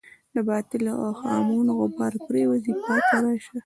د باطلو اوهامو غبار پرېوځي پاکه راشه.